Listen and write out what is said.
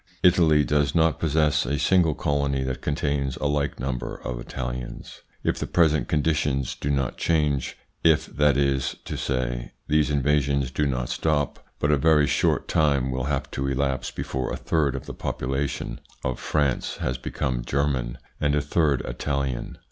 Italy does not possess a single colony that contains a like number of Italians. If the present conditions do not change, if, that is to say, these invasions do not stop, but a very short time will have to elapse before a third of the popula 164 THE PSYCHOLOGY OF PEOPLES tion of France has become German and a third Italian.